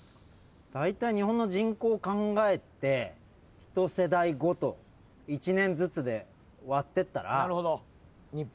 だいたい日本の人口考えて１世代ごと１年ずつで割ってったら。